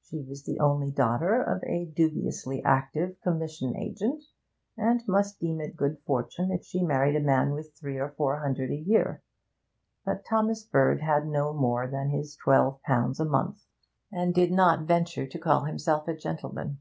She was the only daughter of a dubiously active commission agent, and must deem it good fortune if she married a man with three or four hundred a year; but Thomas Bird had no more than his twelve pounds a month, and did not venture to call himself a gentleman.